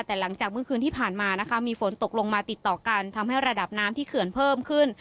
แต่หลังจากเมื่อคืนที่ผ่านมานะคะมีฝนตกลงมาติดต่อกันทำให้ระดับน้ำที่เขื่อนเพิ่มขึ้น